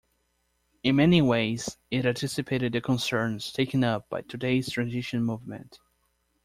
In many ways, it anticipated the concerns taken up by today's Transition Movement.